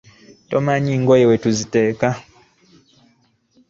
Tomanyi ngoye we tuziteeka?